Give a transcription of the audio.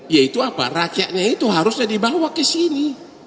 yaitu apa rakyatnya itu harusnya dibawa ke sini